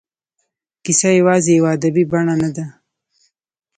کیسه یوازې یوه ادبي بڼه نه ده.